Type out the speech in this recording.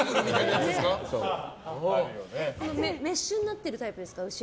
後ろがメッシュになってるタイプですか？